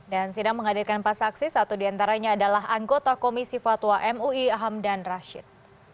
dan sidang menghadirkan pas saksi satu diantaranya adalah anggota komisi fatwa mui ahamdan rashid